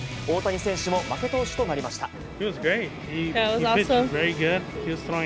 大谷選手も負け投手となりました。